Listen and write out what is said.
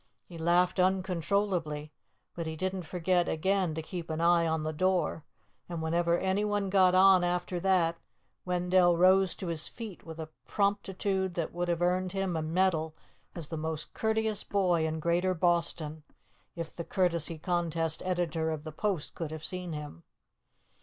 He laughed uncontrollably, but he didn't forget again to keep an eye on the door; and whenever anyone got on after that, Wendell rose to his feet with a promptitude that would have earned him a medal as the most courteous boy in Greater Boston, if the Courtesy Contest Editor of the Post could have seen him.